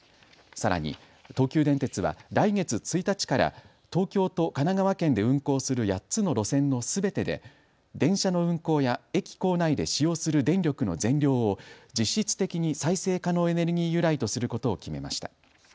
さらに東急電鉄は来月１日から東京と神奈川県で運行する８つの路線のすべてで電車の運行や駅構内で使用する電力の全量を実質的に再生可能エネルギー由来とすることを決めました。